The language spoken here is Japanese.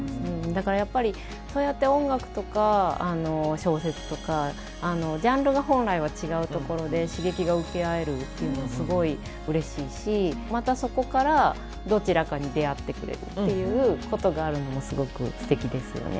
だからやっぱりそうやって音楽とか小説とかジャンルが本来は違うところで刺激が受け合えるっていうのはすごいうれしいしまたそこからどちらかに出会ってくれるっていうことがあるのもすごくすてきですよね。